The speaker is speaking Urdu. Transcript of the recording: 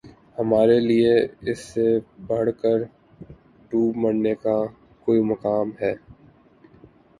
ہمارے لیے اس سے بڑھ کر دوب مرنے کا کوئی مقام ہے